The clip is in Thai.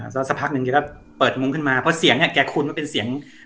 แล้วสักพักหนึ่งแกก็เปิดมุ้งขึ้นมาเพราะเสียงเนี่ยแกคุ้นว่าเป็นเสียง